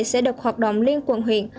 sẽ được hoạt động lên quận huyện